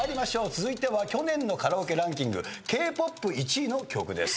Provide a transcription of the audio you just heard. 続いては去年のカラオケランキングＫ−ＰＯＰ１位の曲です。